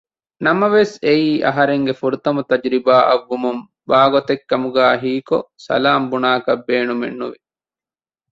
ނަމަވެސް އެއީ އަހަރެންގެ ފުރަތަމަ ތަޖުރިބާއަށްވުމުން ވާގޮތެއް ކަމުގައި ހީކޮށް ސަލާން ބުނާކަށް ބޭނުމެއްނުވި